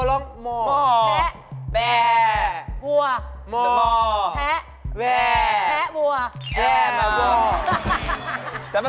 ร้องไหนบัว